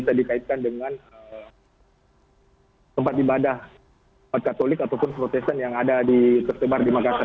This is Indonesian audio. bisa dikaitkan dengan tempat ibadah katolik ataupun protesan yang ada di tersebar di makassar